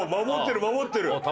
守ってる守ってる。